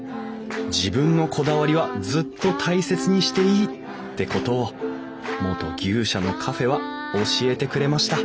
自分のこだわりはずっと大切にしていいってことを元牛舎のカフェは教えてくれました